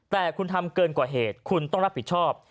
แต่คุณทำเกินกว่าเหตุคุณต้องรับผิดชอบ